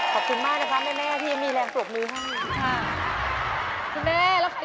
ขอบคุณมากนะคะแม่พี่มีแรงปรกมือน้วยให้